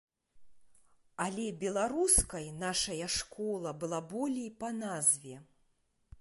Але беларускай нашая школа была болей па назве.